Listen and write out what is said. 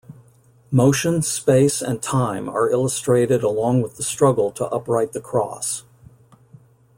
Motion, space and time are illustrated along with the struggle to upright the cross.